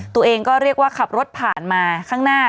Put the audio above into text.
ตัวเองก็เรียกว่าขับรถผ่านมาข้างหน้า